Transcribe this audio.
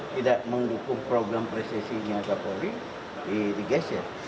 tidak mendukung program presesinya kapolri digeser